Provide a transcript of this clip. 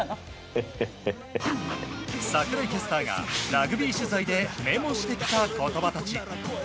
櫻井キャスターがラグビー取材でメモしてきた言葉たち。